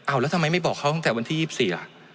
แล้วทำไมไม่บอกเขาตั้งแต่วันที่๒๔ล่ะ